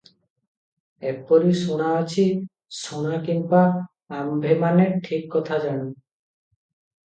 ଏହିପରି ଶୁଣାଅଛି--ଶୁଣା କିମ୍ପା ଆମ୍ଭେମାନେ ଠିକ୍ କଥା ଜାଣୁ